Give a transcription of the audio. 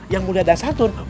yang mulia dasar tuh nih